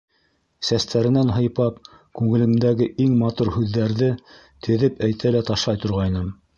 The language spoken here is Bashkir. Сәстәренән һыйпап, күңелемдәге иң матур һүҙҙәрҙе теҙеп әйтә лә ташлай торғайным.